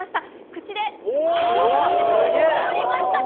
口で、通りました。